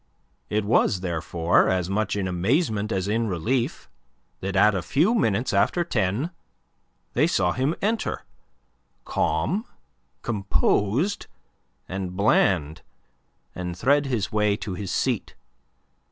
It was, therefore, as much in amazement as in relief that at a few minutes after ten they saw him enter, calm, composed, and bland, and thread his way to his seat.